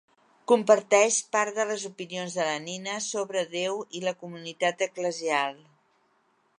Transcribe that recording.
Comparteix part de les opinions de la Ninah sobre Déu i la comunitat eclesial.